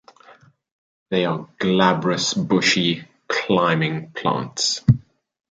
They are glabrous bushy climbing plants.